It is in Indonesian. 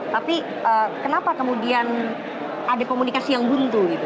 tapi kenapa kemudian ada komunikasi yang buntu gitu